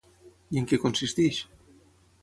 I en què consisteix?